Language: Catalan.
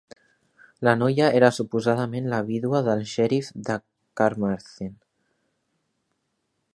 La noia era suposadament la vídua del xerif de Carmarthen.